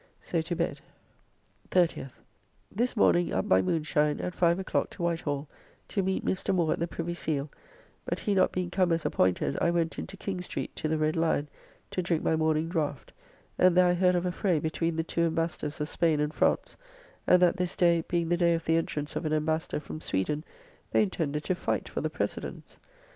So to bed. 30th. This morning up by moon shine, at 5 o'clock, to White Hall, to meet Mr. Moore at the Privy Seal, but he not being come as appointed, I went into King Street to the Red Lyon' to drink my morning draft, and there I heard of a fray between the two Embassadors of Spain and France; and that, this day, being the day of the entrance of an Embassador from Sweden, they intended to fight for the precedence!